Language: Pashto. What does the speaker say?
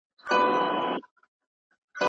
د هغوی ارزښت بيانول هغوی ته ښه احساس ورکوي